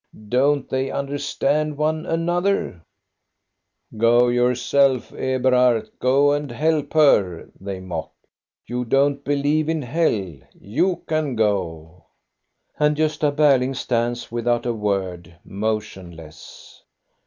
Don't they understand one another ?" "Go yourself, Eberhard; go and help hert" they mock. " Vou don't believe in hell. You can go!" And GostaBerling stands, without a word, motion less.